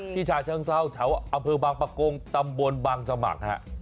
ชาเชิงเศร้าแถวอำเภอบางประกงตำบลบางสมัครฮะ